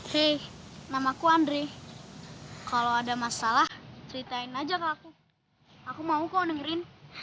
hei namaku andre kalau ada masalah ceritain aja ke aku aku mau kau dengerin